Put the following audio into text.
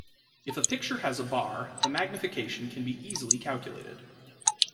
If a picture has a bar, the magnification can be easily calculated.